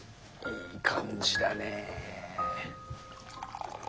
いい感じだね。